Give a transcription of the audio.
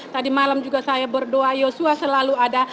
tadi malam juga saya berdoa yosua selalu ada